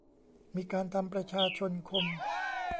มีการทำประชาชนคม